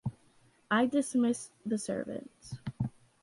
I dismissed the servants.